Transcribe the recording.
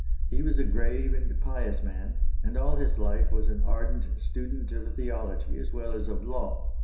He was a grave and pious man, and all his life was an ardent student of theology as well as of law.